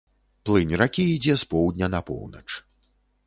Плынь ракі ідзе з поўдня на поўнач.